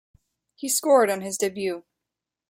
He scored on his debut.